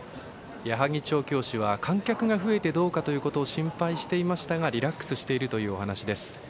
矢作調教師は観客が増えてどうかということを心配していましたがリラックスしているというお話です。